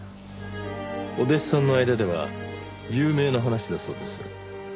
お弟子さんの間では有名な話だそうですね。